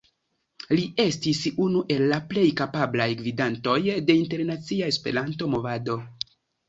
Li estis unu el la plej kapablaj gvidantoj de internacia Esperanto-movado.